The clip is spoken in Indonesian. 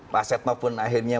pak setmop pun akhirnya